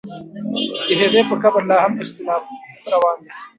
د هغې په قبر لا هم اختلاف روان دی.